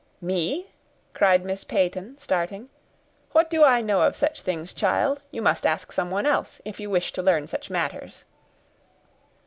"Me!" cried Miss Peyton, starting; "what do I know of such things, child? You must ask someone else, if you wish to learn such matters."